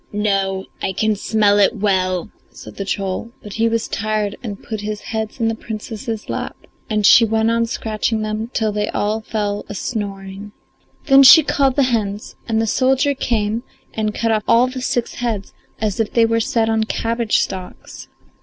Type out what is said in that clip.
"No, I can smell it well," said the troll; but he was tired and put his heads in the Princess's lap, and she went on scratching them till they all fell a snoring. Then she called the hens, and the soldier came and cut off all the six heads as if they were set on cabbage stalks.